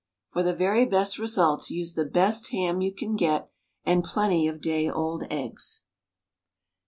For the very best results use the best ham you can get and plenty of day old eggs.